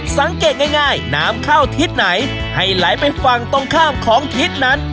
สังเกตง่ายน้ำเข้าทิศไหนให้ไหลไปฝั่งตรงข้ามของทิศนั้น